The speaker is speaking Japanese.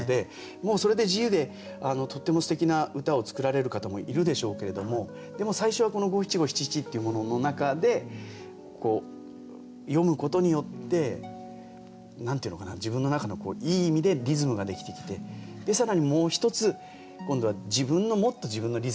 もうそれで自由でとってもすてきな歌を作られる方もいるでしょうけれどもでも最初はこの五七五七七っていうものの中で詠むことによって何て言うのかな自分の中のいい意味でリズムができてきて更にもう一つ今度は自分のもっと自分のリズムが。